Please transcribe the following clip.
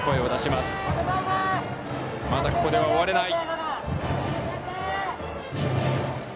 まだ、ここでは終われない。